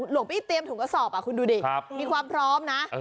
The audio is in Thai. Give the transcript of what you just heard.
หลวงพี่เตรียมถุงกระสอบคุณดูดิมีความพร้อมนะ